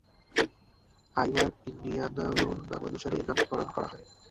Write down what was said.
আইওয়ার ইন্ডিয়ানোলার নামানুসারে এর নামকরণ করা হয়।